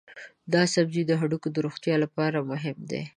دا سبزی د هډوکو د روغتیا لپاره مهم دی.